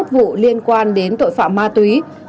tám mươi một vụ liên quan đến tội phạm ma tử